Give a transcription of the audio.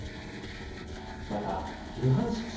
またルハンシク